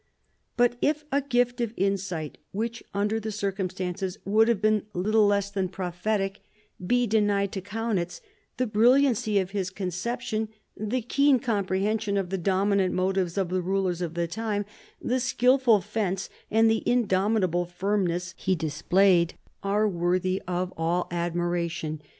But if a gift of insight, which under the circumstances would have been little less than prophetic, be denied to Eaunitz, the brilliancy of his conception, the keen comprehension of the dominant motives of the rulers of the time, the skilful fence and the indomitable firmness he displayed, are worthy of all admiration.